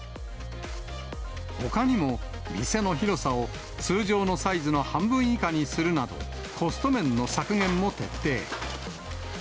ほかにも、店の広さを通常のサイズの半分以下にするなど、コスト面の削減も徹底。